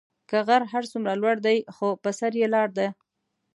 كه غر هر سومره لور دي خو به سر ئ لار دي.